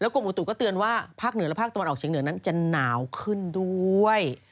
กรมอุตุก็เตือนว่าภาคเหนือและภาคตะวันออกเฉียงเหนือนั้นจะหนาวขึ้นด้วย